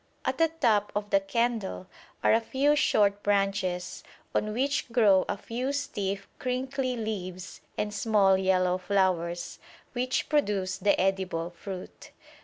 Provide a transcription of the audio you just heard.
At the top of the candle are a few short branches, on which grow a few stiff crinkly leaves and small yellow flowers, which produce the edible fruit.